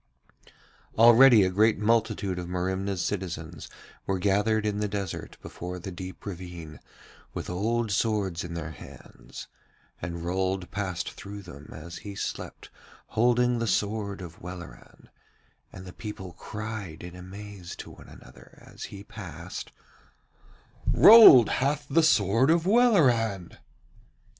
Already a great multitude of Merimna's citizens were gathered in the desert before the deep ravine with old swords in their hands, and Rold passed through them as he slept holding the sword of Welleran, and the people cried in amaze to one another as he passed: 'Rold hath the sword of Welleran!'